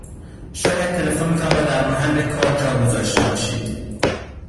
شاید تلفنتان را در محل کار جا گذاشته باشید